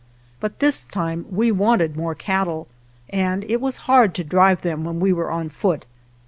But this time we wanted more cattle, and it was hard to drive them when we were on foot.